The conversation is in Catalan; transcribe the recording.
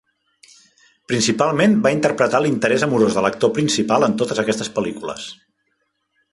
Principalment va interpretar l'interès amorós de l'actor principal en totes aquestes pel·lícules.